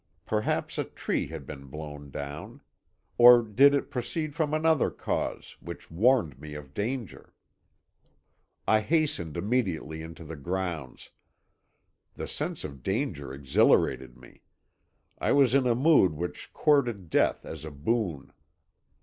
Perhaps a tree had been blown down. Or did it proceed from another cause, which warned me of danger? "I hastened immediately into the grounds. The sense of danger exhilarated me. I was in a mood which courted death as a boon.